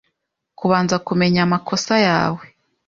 Kubanza kumenya amakosa yawe